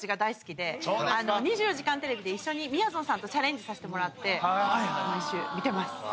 『２４時間テレビ』で一緒にみやぞんさんとチャレンジさせてもらって毎週見てます。